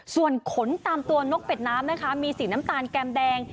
ส่วนขนตามตัวนกเป็ดน้ำนะคะมีสีน้ำตาลแก้มแดง